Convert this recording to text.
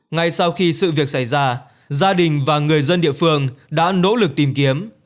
ngay sau khi sự việc xảy ra gia đình và người dân địa phương đã nỗ lực tìm kiếm